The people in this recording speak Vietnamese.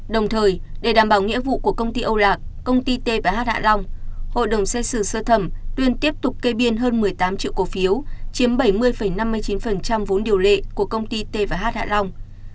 đồng thời để đảm bảo nghĩa vụ của công ty âu lạc công ty t hạ long hội đồng xét xử sơ thẩm tuyên tiếp tục kê biên hơn một mươi tám triệu cổ phiếu chiếm bảy mươi năm mươi chín vốn điều lệ của công ty t hạ long